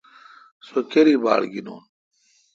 سو کاری باڑ گینون۔